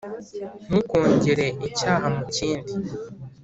Ntukongere icyaha mu kindi,